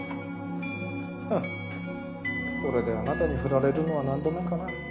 フッこれであなたに振られるのは何度目かな。